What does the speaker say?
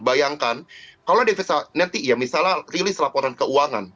bayangkan kalau devisa nanti ya misalnya rilis laporan keuangan